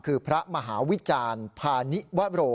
คือพระมหาวิจารณ์พาณิวโร